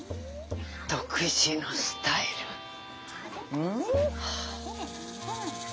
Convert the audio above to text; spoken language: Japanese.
独自のスタイルはあ。